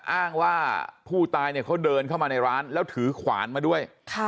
อ้างว่าผู้ตายเนี่ยเขาเดินเข้ามาในร้านแล้วถือขวานมาด้วย